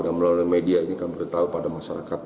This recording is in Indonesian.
dan melalui media ini kami beritahu pada masyarakat